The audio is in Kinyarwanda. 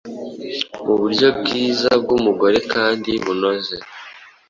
Muburyo bwiza bwumugore kandi bunoze